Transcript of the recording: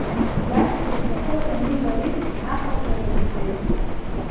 Иашьцәа шҭахоз аниба ари, аҟыԥҳәа дрыхьӡеит.